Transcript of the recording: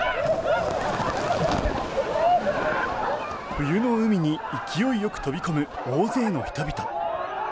冬の海に勢いよく飛び込む大勢の人々。